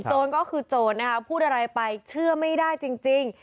โจรก็คือโจรนะคะพูดอะไรไปเชื่อไม่ได้จริง